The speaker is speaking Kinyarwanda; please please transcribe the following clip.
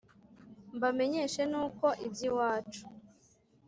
mbamenyesha n'uko iby'iwacu